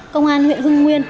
công an huyện hưng nguyên